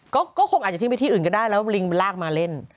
ก็คงอาจจะทิ้งไปที่อื่นก็ได้แล้วลิงมันลากมาเล่น